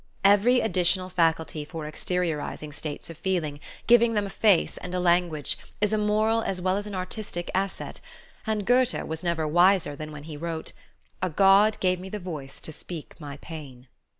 Every additional faculty for exteriorizing states of feeling, giving them a face and a language, is a moral as well as an artistic asset, and Goethe was never wiser than when he wrote: "A god gave me the voice to speak my pain."